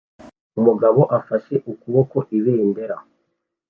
Umugabo afashe ukuboko ibendera